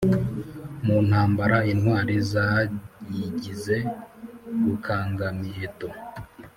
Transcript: mu ntambara intwari zayigize rukangamiheto